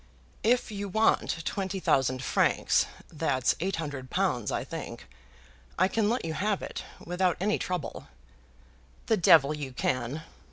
"If you want twenty thousand francs, that's eight hundred pounds, I think I can let you have it without any trouble." "The devil you can!"